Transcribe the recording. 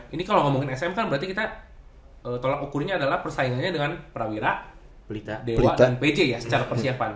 ini kalau ngomongin sm kan berarti kita tolak ukurnya adalah persaingannya dengan prawira dewa dan pj ya secara persiapan